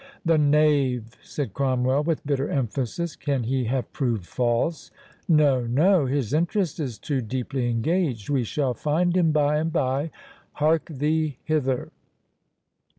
"The knave!" said Cromwell, with bitter emphasis; "can he have proved false?—No, no, his interest is too deeply engaged. We shall find him by and by. Hark thee hither."